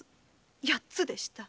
八つでした。